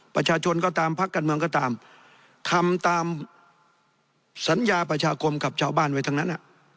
ประชาชนก็ตามพักการเมืองก็ตามทำตามสัญญาประชาคมกับชาวบ้านไว้ทั้งนั้น